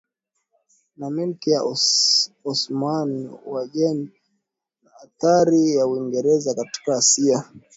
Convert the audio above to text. na Milki ya Osmani Uajemi na athira ya Uingereza katika Asia